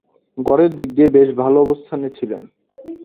গড়ের দিক দিয়ে বেশ ভালো অবস্থানে ছিলেন।